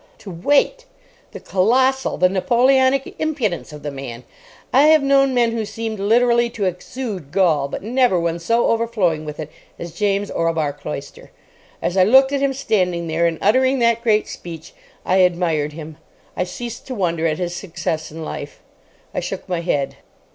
To wait! The colossal, the Napoleonic impudence of the man! I have known men who seemed literally to exude gall, but never one so overflowing with it as James Orlebar Cloyster. As I looked at him standing there and uttering that great speech, I admired him. I ceased to wonder at his success in life. I shook my head.